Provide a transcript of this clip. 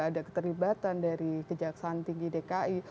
ada keterlibatan dari kejaksaan tinggi dki